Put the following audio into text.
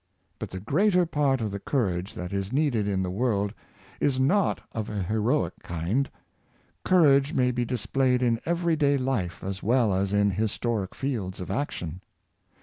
But the greater part of the courage that is needed in the world is not of a heroic kind. Courage may be displayed in every day life as well as in historic fields of action.